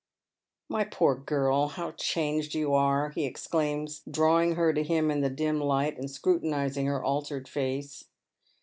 "My poor girl, how changed you are!" he exclaims, draw Ing her to him in the dim light, and scrutinizing her altered fpce.